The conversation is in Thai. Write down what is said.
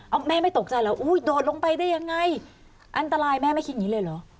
เอาแม่ไม่ตกใจเหรออุ้ยโดดลงไปได้ยังไงอันตรายแม่ไม่คิดอย่างนี้เลยเหรอ